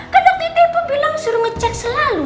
kan nanti ibu bilang suruh ngecek selalu